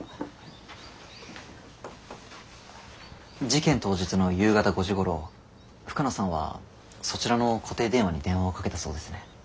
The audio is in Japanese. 事件当日の夕方５時ごろ深野さんはそちらの固定電話に電話をかけたそうですね。